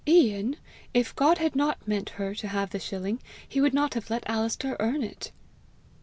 "Ian! if God had not meant her to have the shilling, he would not have let Alister earn it."